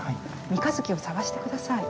三日月を探して下さい。